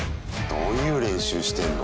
どういう練習してんの？